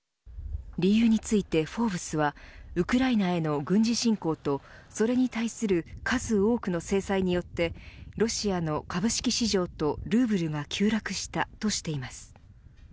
理由についてフォーブスはウクライナへの軍事侵攻とそれに対する数多くの制裁によってロシアの株式市場とルーブルが急落したとしています。